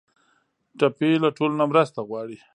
ټپي له ټولو نه مرسته غواړي.